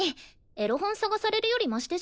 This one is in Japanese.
エロ本探されるよりマシでしょ？